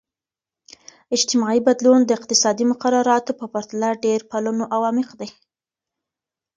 اجتماعي بدلون د اقتصادي مقرراتو په پرتله ډیر پلنو او عمیق دی.